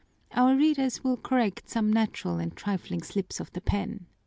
Our readers will correct some natural and trifling slips of the pen.